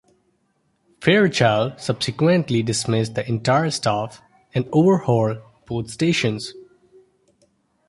Fairchild subsequently dismissed the entire staff and overhauled both stations.